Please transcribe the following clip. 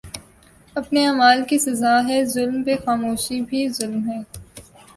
اپنے اعمال کی سزا ہے ظلم پہ خاموشی بھی ظلم ہے